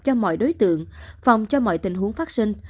cho mọi đối tượng phòng cho mọi tình huống phát sinh